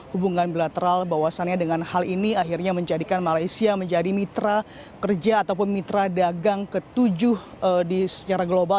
hubungan bilateral bahwasannya dengan hal ini akhirnya menjadikan malaysia menjadi mitra kerja ataupun mitra dagang ketujuh secara global